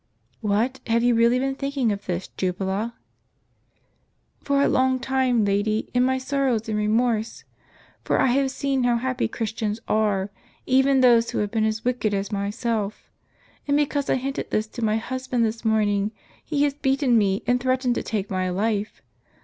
" "What, have you really been thinking of this, Ju bala ?"" For a long time, lady, in my sorrows and remorse. For I have seen how happy Christians are, even those who have been as wicked as myself. And because I hinted this to my husband this morning, he has beaten me, and threatened to take my life.